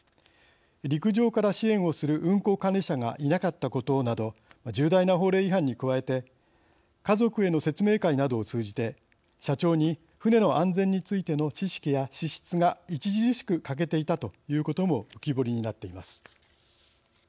陸上から支援をする運航管理者がいなかったことなど重大な法令違反に加えて家族への説明会などを通じて社長に船の安全についての知識や資質が著しく、欠けていたということも浮き彫りになっています。